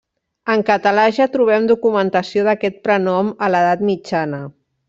En català ja trobem documentació d'aquest prenom a l'edat mitjana.